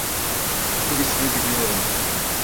Bu ismi biliyorum.